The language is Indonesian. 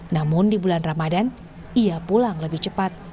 namun di bulan ramadan ia pulang lebih cepat